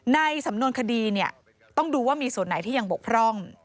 ในสำนวนคดีเนี่ยต้องดูว่ามีส่วนไหนที่ยังบกพร่อง